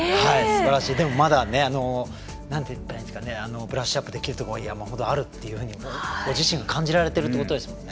でも、またブラッシュアップできるところは山ほどあるというふうにご自身が感じられているってことですもんね。